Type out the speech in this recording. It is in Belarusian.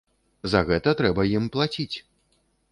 За гэта трэба ім плаціць.